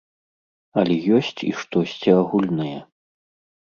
Але ёсць і штосьці агульнае.